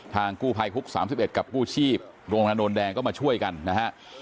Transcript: กู้ภัยฮุก๓๑กับกู้ชีพโรงงานโนนแดงก็มาช่วยกันนะฮะ